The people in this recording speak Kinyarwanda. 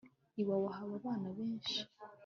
iwawa haba abana benshi